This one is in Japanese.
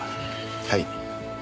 はい。